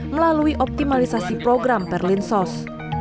melalui optimalisasi program perlinsos